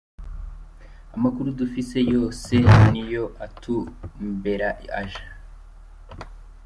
Amakuru dufise yose niyo atumbera aja.